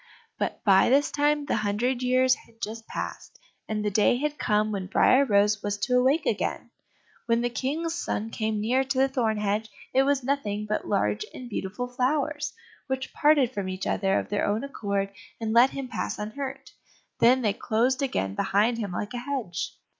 But by this time the hundred years had just passed, and the day had come when Briar rose was to awake again. When the King's son came near to the thorn hedge, it was nothing but large and beautiful flowers, which parted from each other of their own accord, and let him pass unhurt, then they closed again behind him like a hedge.